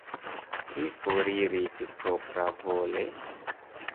Li foriris propravole?